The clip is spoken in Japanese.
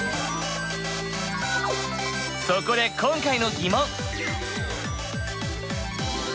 そこで今回の疑問！